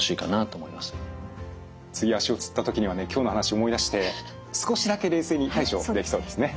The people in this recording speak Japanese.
次足をつった時にはね今日の話思い出して少しだけ冷静に対処できそうですね。